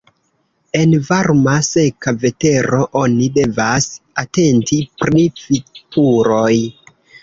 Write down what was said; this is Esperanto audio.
En varma, seka vetero oni devas atenti pri vipuroj.